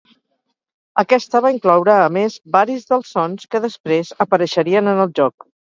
Aquesta va incloure a més varis dels sons que després apareixerien en el joc.